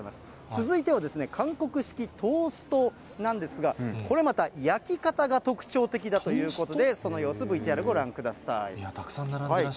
続いてはですね、韓国式トーストなんですが、これまた焼き方が特徴的だということで、その様子、ＶＴＲご覧ください。